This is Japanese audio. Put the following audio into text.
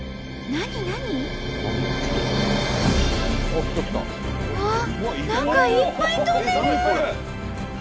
何かいっぱい飛んでる！